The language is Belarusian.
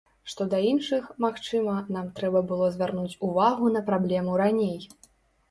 Што да іншых, магчыма, нам трэба было звярнуць увагу на праблему раней.